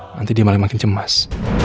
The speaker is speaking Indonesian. nanti dia malah makin cemas